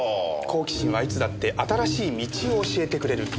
好奇心はいつだって新しい道を教えてくれる。